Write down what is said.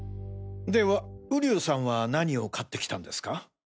では瓜生さんは何を買って来たんですか？